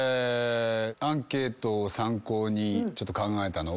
アンケートを参考にちょっと考えたのは。